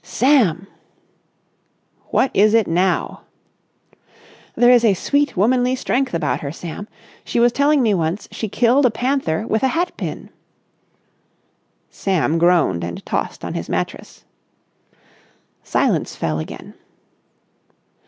"Sam!" "What is it now?" "There is a sweet womanly strength about her, Sam. She was telling me she once killed a panther with a hat pin." Sam groaned and tossed on his mattress. Silence fell again.